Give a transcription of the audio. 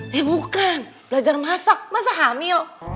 eh bukan belajar masak masa hamil